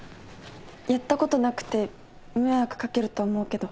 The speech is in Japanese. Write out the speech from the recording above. やったことなくて迷惑かけると思うけど。